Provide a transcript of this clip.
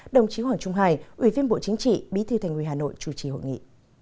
đồng chí hoàng trung hải ủy viên bộ chính trị bí thư tp hcm chủ trì hội nghị